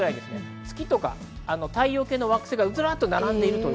月とか太陽系の惑星が、ずらっと並んでいます。